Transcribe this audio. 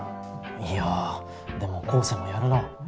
いやでも光晴もやるなぁ。